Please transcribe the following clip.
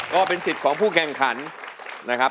ก็เป็นสิทธิ์ของผู้แข่งขันนะครับ